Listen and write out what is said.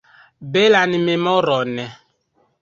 Belan memoron!